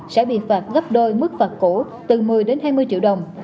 sẽ bị phạt gấp đôi mức phạt cũ từ một mươi đến hai mươi triệu đồng